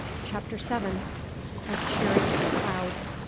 CHAPTER SEVEN. A CHEERING CLOUD.